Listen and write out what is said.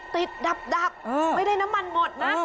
ดับไม่ได้น้ำมันหมดนะ